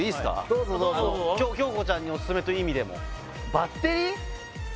どうぞどうぞ今日恭子ちゃんにオススメという意味でもバッテリー？